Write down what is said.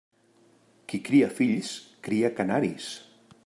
Qui cria fills, cria canaris.